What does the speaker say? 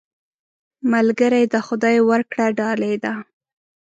ملګری د خدای ورکړه ډالۍ ده